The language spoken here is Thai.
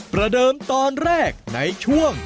ประเดิมตอนแรกในช่วง